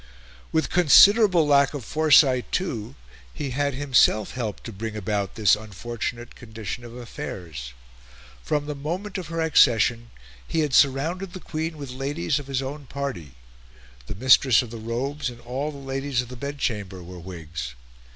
With considerable lack of foresight, too, he had himself helped to bring about this unfortunate condition of affairs. From the moment of her accession, he had surrounded the Queen with ladies of his own party; the Mistress of the Robes and all the Ladies of the Bedchamber were Whigs.